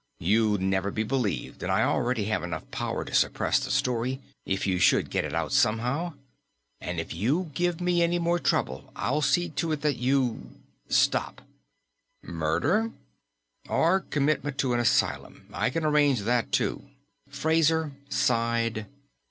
You'd never be believed and I already have enough power to suppress the story, if you should get it out somehow. And if you give me any more trouble at all, I'll see to it that you stop." "Murder?" "Or commitment to an asylum. I can arrange that too." Fraser sighed.